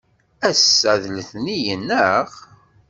Ass-a d letniyen, naɣ?